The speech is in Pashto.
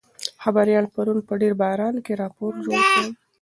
خبریال پرون په ډېر باران کې راپور جوړ کړ.